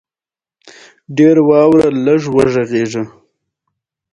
ته پلار یې هم مې مور